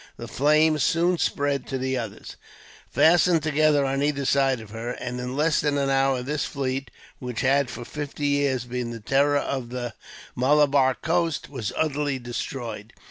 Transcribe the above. The flames soon spread to the others, fastened together on either side of her, and in less than an hour this fleet, which had for fifty years been the terror of the Malabar coast, was utterly destroyed.